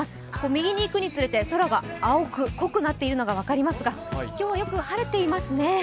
右に行くにつれて空が青く濃くなっているのが分かりますが今日はよく晴れていますね。